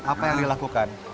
apa yang dilakukan